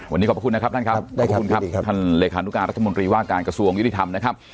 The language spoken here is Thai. วันนี้ขอบคุณนะครับท่านครับท่านเหลศาลุการัฐมนตรีว่าการกระทรวงยุติธรรมนะครับ